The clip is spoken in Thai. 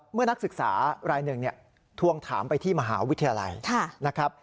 นักศึกษารายหนึ่งทวงถามไปที่มหาวิทยาลัยนะครับ